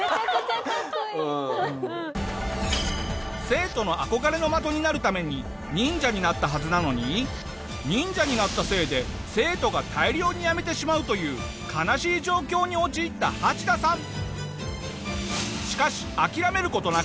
生徒の憧れの的になるために忍者になったはずなのに忍者になったせいで生徒が大量にやめてしまうという悲しい状況に陥ったハチダさん。